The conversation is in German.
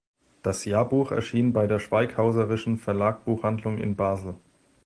Das Jahrbuch erschien bei der Schweighauserischen Verlagsbuchhandlung in Basel.